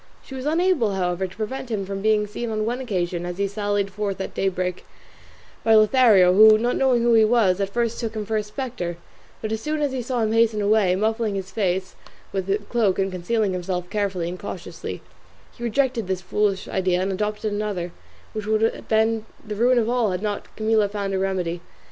She was unable, however, to prevent him from being seen on one occasion, as he sallied forth at daybreak, by Lothario, who, not knowing who he was, at first took him for a spectre; but, as soon as he saw him hasten away, muffling his face with his cloak and concealing himself carefully and cautiously, he rejected this foolish idea, and adopted another, which would have been the ruin of all had not Camilla found a remedy.